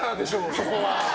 そこは！